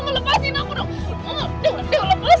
lepasin aku dong